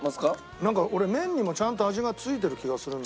なんか俺麺にもちゃんと味がついてる気がするんだけどね。